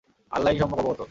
আল্লাহই সম্যক অবগত।